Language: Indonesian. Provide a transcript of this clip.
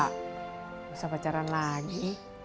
gak usah pacaran lagi